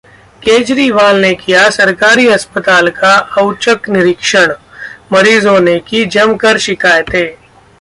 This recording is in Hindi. केजरीवाल ने किया सरकारी अस्पताल का औचक निरीक्षण, मरीजों ने की जमकर शिकायतें